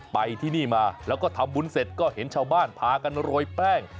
ไปที่นี่มาแล้วก็ทำบุญเสร็จก็เห็นชาวบ้านพากันโรยแป้ง